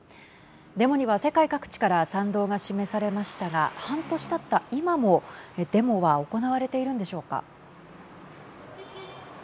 デモには世界各地から賛同が示されましたが半年たった今もデモは行われているんでしょうか。